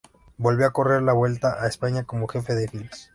Volvió a correr la Vuelta a España como jefe de filas.